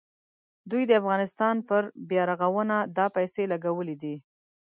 دوی د افغانستان پر بیارغونه دا پیسې لګولې دي.